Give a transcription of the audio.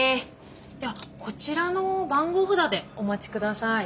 ではこちらの番号札でお待ち下さい。